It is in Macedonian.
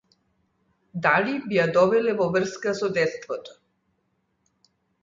Дали би ја довеле во врска со детството?